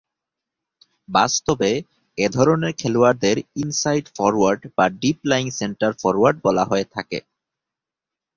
বাস্তবে, এ ধরনের খেলোয়াড়দের ইনসাইড ফরোয়ার্ড বা ডিপ-লায়িং সেন্টার ফরোয়ার্ড বলা হয়ে থাকে।